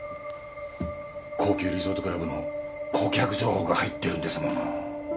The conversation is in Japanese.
高級リゾートクラブの顧客情報が入ってるんですもの。